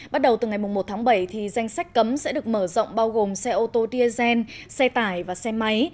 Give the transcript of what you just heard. bắt đầu từ ngày một tháng bảy danh sách cấm sẽ được mở rộng bao gồm xe ô tô diesel xe tải và xe máy